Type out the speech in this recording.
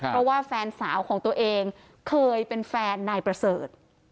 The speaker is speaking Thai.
เพราะว่าแฟนสาวของตัวเองเคยเป็นแฟนนายประเสริฐ